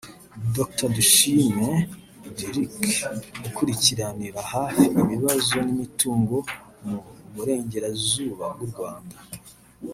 Dr Dushime Dyrckx ukurikiranira hafi ibiza n’imitingito mu Burengerazuba bw’u Rwanda